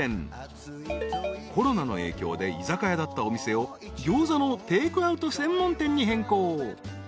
［コロナの影響で居酒屋だったお店をギョーザのテークアウト専門店に変更］